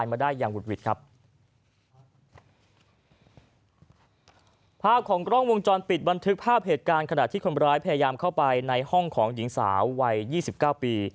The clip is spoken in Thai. ภาพของกล้องวงจรปิดบันทึกภาพเหตุการณ์ขณะที่คนร้ายพยายามเข้าไปในห้องของหญิงสาววัย๒๙ปี